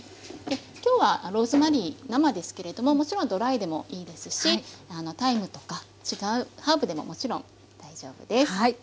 今日はローズマリー生ですけれどももちろんドライでもいいですしタイムとか違うハーブでももちろん大丈夫です。